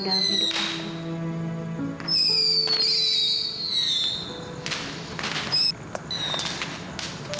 dalam hidup aku